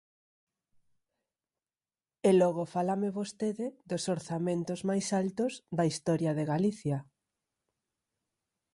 E logo fálame vostede dos orzamentos máis altos da historia de Galicia.